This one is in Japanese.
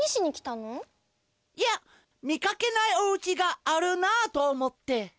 いや見かけないおうちがあるなあとおもって。